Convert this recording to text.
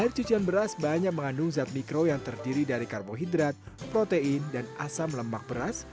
air cucian beras banyak mengandung zat mikro yang terdiri dari karbohidrat protein dan asam lemak beras